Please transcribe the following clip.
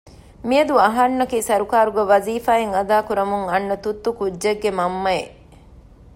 މިއަދު އަހަންނަކީ ސަރުކާރު ވަޒިފާ އެއް އަދާ ކުރަމުން އަންނަ ތުއްތު ކުއްޖެއްގެ މަންމައެއް